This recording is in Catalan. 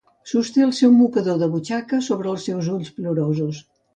Sosté el seu mocador de butxaca sobre els seus ulls plorosos.